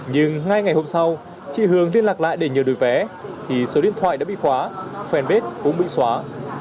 nhưng ngay ngày hôm sau chị hường liên lạc lại để nhờ được vé thì số điện thoại đã bị khóa fanpage cũng bị xóa